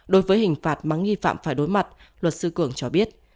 đối với hình phạt mà nghi phạm phải đối mặt luật sư cường cho biết